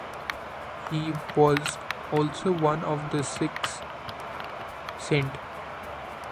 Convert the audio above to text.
He was also one of six St.